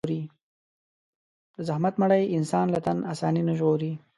د زحمت مړۍ انسان له تن آساني نه ژغوري.